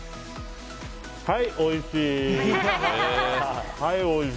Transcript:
はい、おいしい！